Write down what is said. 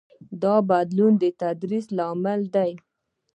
دا بدلون د تدریس له امله دی.